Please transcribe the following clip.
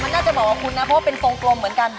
มันน่าจะบอกว่าคุณนะเพราะว่าเป็นโฟงกลมเหมือนกัน